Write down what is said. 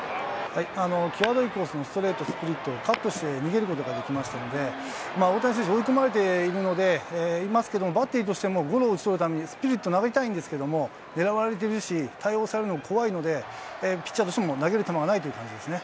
際どいコースのストレート、スプリットをカットして逃げることができましたので、大谷選手、追い込まれていますけれども、バッテリーとしてもゴロを打ち取るためにスプリット投げたいんですけど、狙われてるし、対応されるのが怖いので、ピッチャーとしても投げる球がないという感じですね。